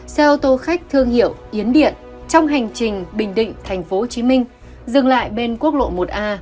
xe ô tô khách thương hiệu yến điện trong hành trình bình định tp hcm dừng lại bên quốc lộ một a